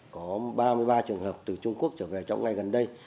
có ba mươi ba trường hợp từ trung quốc trở về trong ngày gần đây